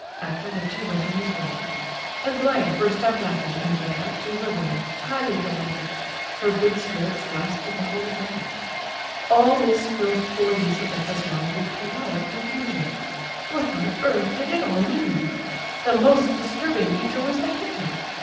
After which he went on his way. Aglaya burst out laughing and ran up to her room, highly delighted. Her good spirits lasted the whole day. All this filled poor Lizabetha's mind with chaotic confusion. What on earth did it all mean? The most disturbing feature was the hedgehog.